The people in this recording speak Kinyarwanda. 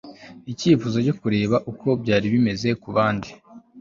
icyifuzo cyo kureba uko byari bimeze kubandi